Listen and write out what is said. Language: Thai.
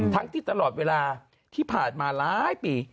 ที่ตลอดเวลาที่ผ่านมาหลายปี